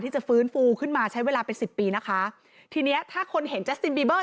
จะฟื้นฟูขึ้นมาใช้เวลาเป็นสิบปีนะคะทีเนี้ยถ้าคนเห็นจัสตินบีเบอร์